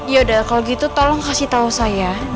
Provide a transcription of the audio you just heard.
yaudah kalau gitu tolong kasih tahu saya